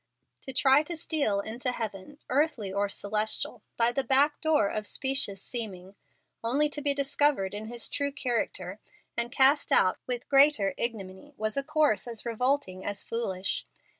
To try to steal into heaven, earthly or celestial, by the back door of specious seeming, only to be discovered in his true character and cast out with greater ignominy, was a course as revolting as foolish.